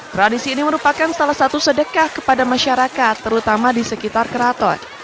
tradisi ini merupakan salah satu sedekah kepada masyarakat terutama di sekitar keraton